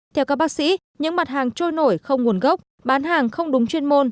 theo các bác sĩ những mặt hàng trôi nổi không nguồn gốc bán hàng không đúng chuyên môn